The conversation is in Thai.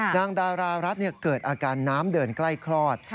ดารารัฐเกิดอาการน้ำเดินใกล้คลอด